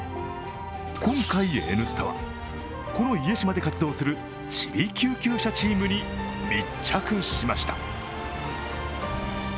今回「Ｎスタ」は、この家島で活動するちび救急車チームに密着しました。